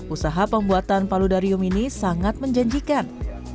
usaha pembuatan paludarium ini sangat menjanjikan